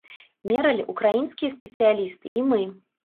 Мералі ўкраінскія спецыялісты і мы.